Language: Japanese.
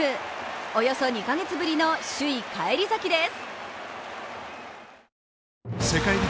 およそ２か月ぶりの首位返り咲きです。